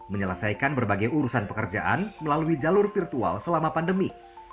menyelesaikan berbagai urusan pekerjaan melalui jalur virtual selama pandemi